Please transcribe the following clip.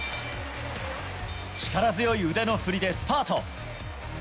力強い腕の振りでスパート。